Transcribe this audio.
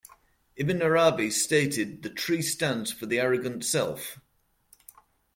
Ibn Arabi stated, the tree stands for the arrogant self.